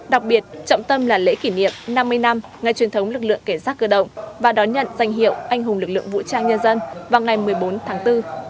đặc biệt trọng tâm là lễ kỷ niệm năm mươi năm ngày truyền thống lực lượng cảnh sát cơ động và đón nhận danh hiệu anh hùng lực lượng vũ trang nhân dân vào ngày một mươi bốn tháng bốn